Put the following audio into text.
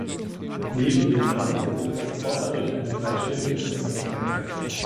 Neben dem Namen sind die Transporter durch eine dreistellige Ziffer gekennzeichnet.